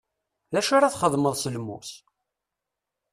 D acu ara txedmeḍ s lmus?